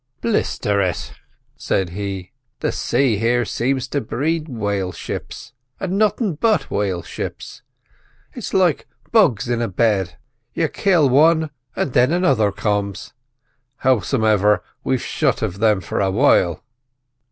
"Blisther it!" said he; "the say here seems to breed whale ships, and nothin' but whale ships. It's like bugs in a bed: you kill wan, and then another comes. Howsomever, we're shut of thim for a while."